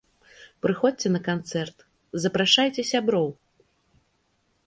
Прыходзьце на канцэрт, запрашайце сяброў!